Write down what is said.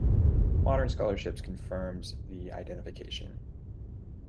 Modern scholarship confirms the identification.